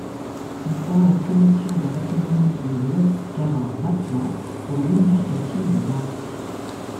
Il fera la promotion dans l'Académie de l'euskara batua, pour l'unification du basque.